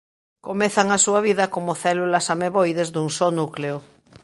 Comezan a súa vida como células ameboides dun só núcleo.